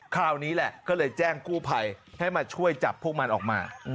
คราวนี้แหละก็เลยแจ้งกู้ภัยให้มาช่วยจับพวกมันออกมา